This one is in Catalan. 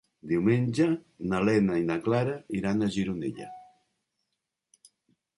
Diumenge na Lena i na Clara iran a Gironella.